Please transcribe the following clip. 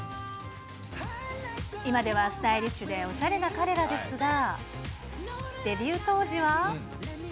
今ではスタイリッシュでおしゃれな彼らですが、デビュー当時は。